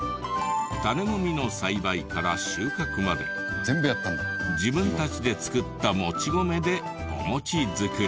種もみの栽培から収穫まで自分たちで作ったもち米でお餅作り。